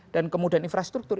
dan kemudian infrastruktur